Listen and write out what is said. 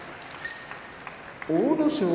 阿武咲